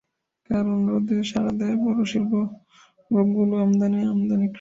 কার অনুরোধে সাড়া দেয় বড় শিল্পগ্রুপগুলোর আমদানিকরা?